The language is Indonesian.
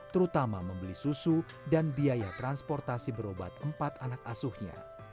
terutama membeli susu dan biaya transportasi berobat empat anak asuhnya